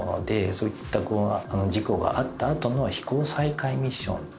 そういった事故があった後の飛行再開ミッション。